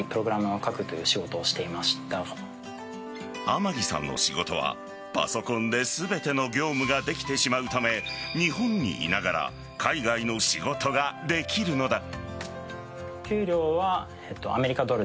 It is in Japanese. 天城さんの仕事はパソコンで全ての業務ができてしまうため日本にいながら海外の仕事ができるのだ。